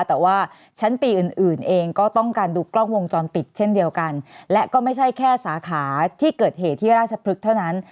แต่ว่าชั้นปีอื่นอื่นเองก็ต้องการดูกล้องวงจรปิดเช่นเดียวกันและก็ไม่ใช่แค่สาขาที่เกิดเหตุที่ราชพฤกษ์เท่านั้น